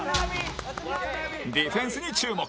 ディフェンスに注目